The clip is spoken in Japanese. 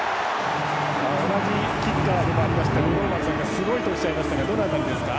同じキッカーでありました五郎丸さんが「すごい！」とおっしゃいましたがどの辺りですか？